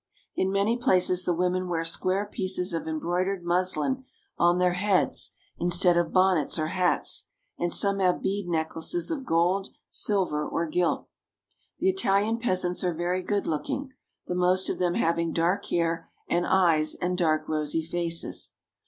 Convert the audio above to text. In many places the women wear square pieces of embroidered muslin on their heads instead of bonnets or hats, and some have bead necklaces of gold, silver, or gilt. The Italian peasants are very good looking, the most of them having dark hair and eyes and dark rosy faces.